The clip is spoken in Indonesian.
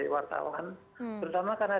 wartawan pertama karena